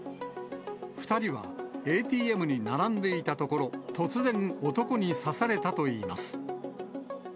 ２人はＡＴＭに並んでいたところ、突然、男に刺されたといいます。